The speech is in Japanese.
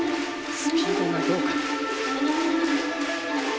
スピードがどうか。